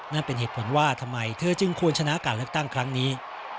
นั่นเป็นเหตุผลว่าทำไมเธอจึงควรชนะการเลือกตั้งครั้งนี้